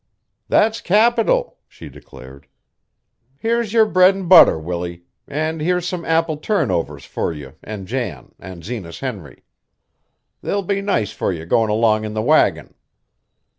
"That's capital!" she declared. "Here's your bread an' butter, Willie. An' here's some apple turnovers fur you, an' Jan, an' Zenas Henry. They'll be nice fur you goin' along in the wagon."